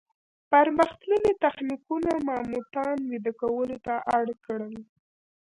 پرمختللي تخنیکونه ماموتان ویده کولو ته اړ کړل.